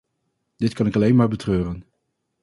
Dit kan ik alleen maar betreuren.